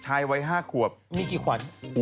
ใช่บางคนก็มีข้างน่ะ